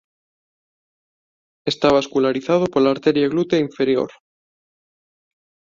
Está vascularizado pola arteria glútea inferior.